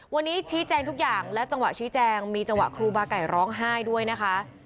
วันนี้ชี้แจงทุกอย่างและจังหวะชี้แจงมีจังหวะครูบาไก่ร้องไห้ด้วยนะคะ